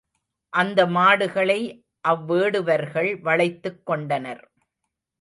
அந்த மாடுகளை அவ்வேடுவர்கள் வளைத்துக் கொண்டனர்.